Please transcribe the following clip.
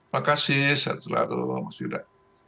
makasih sehat selalu mas yuda